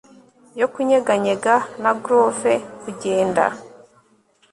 yo kunyeganyega na groove, kugenda